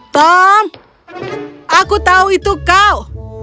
tom aku tahu itu kau